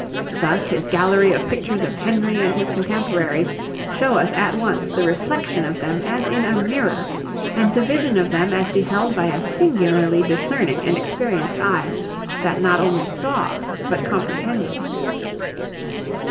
Thus his gallery of pictures of Henry and his contemporaries show us at once the reflexion of them as in a mirror, and the vision of them as beheld by a singularly discerning and experienced eye that not only saw but comprehended.